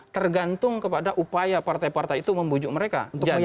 tergantung kepada upaya partai partai itu membujuk mereka